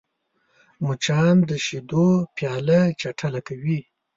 مچان د شیدو پیاله چټله کوي